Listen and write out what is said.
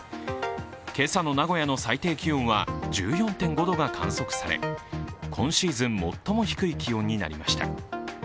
今朝の名古屋の最低気温は１４．５度が観測され今シーズン最も低い気温になりました。